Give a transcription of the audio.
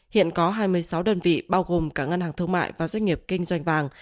hiện có hai mươi sáu đơn vị bao gồm cả ngân hàng thương mại và doanh nghiệp kinh doanh vàng